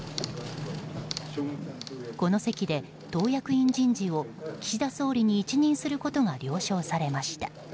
この席で、党役員人事を岸田総理に一任することが了承されました。